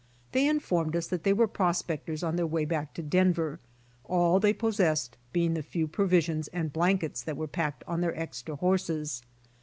They informed us that they were prospectors on their way back to Den ver, all they possessed being the few provisions and blankets that were packed on their extra horses.